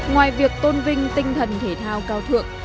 ngoài việc tôn vinh tinh thần thể thao cao thượng